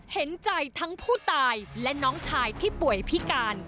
เห็นใจทั้งผู้ตายและน้องชายที่ป่วยพิการ